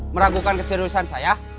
meragukan keseriusan saya